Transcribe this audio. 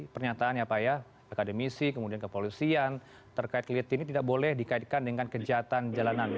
pernyataan ya pak ya akademisi kemudian kepolisian terkait litt ini tidak boleh dikaitkan dengan kejahatan jalanan